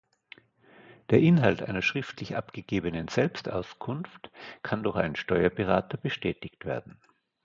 Der Inhalt einer schriftlich abgegebenen Selbstauskunft kann durch einen Steuerberater bestätigt werden.